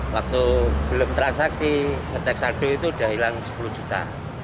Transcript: waktu belum transaksi ngecek saldo itu sudah hilang sepuluh juta